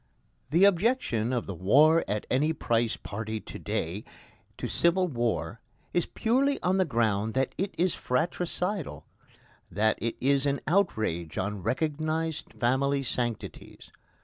The objection of the war at any price party to day to civil war is purely on the ground that it is fratricidal that it is an outrage on recognised family sanctities.